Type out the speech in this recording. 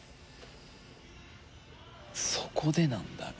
そこでなんだが。